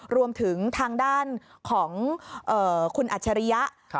รวมถึงทางด้านของคุณอัจฉริยะ